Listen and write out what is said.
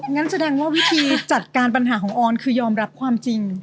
งั้นแสดงว่าวิธีจัดการปัญหาของออนคือยอมรับความจริง